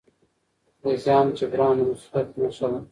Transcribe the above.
د زیان جبران د مسؤلیت نښه ده.